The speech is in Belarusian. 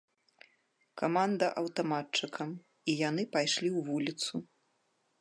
Каманда аўтаматчыкам, і яны пайшлі ў вуліцу.